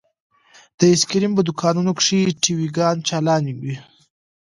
د ايسکريم په دوکانونو کښې ټي وي ګانې چالانې وې.